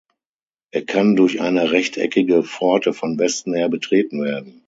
Er kann durch eine rechteckige Pforte von Westen her betreten werden.